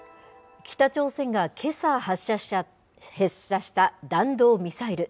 北朝鮮がけさ発射した弾道ミサイル。